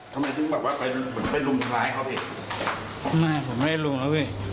ทำไมถึงแบบว่าไปเป็นรุมร้ายครอบเหตุไม่ผมไม่ได้รุมแล้วอุ้ย